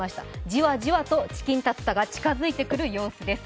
じわじわとチキンタツタが近づいてくる様子です。